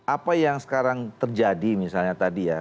apa yang sekarang terjadi misalnya tadi ya